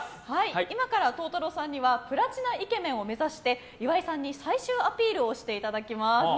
今から柊太朗さんにはプラチナイケメンを目指して岩井さんに最終アピールをしていただきます。